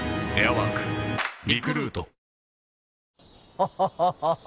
ハハハハ！